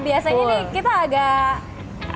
biasanya nih kita agak